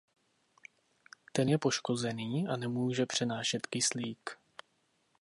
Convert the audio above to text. Ten je poškozený a nemůže přenášet kyslík.